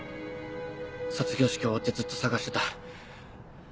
卒業式終わってずっと捜してた。